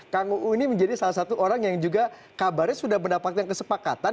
kang uu ini menjadi salah satu orang yang juga kabarnya sudah mendapatkan kesepakatan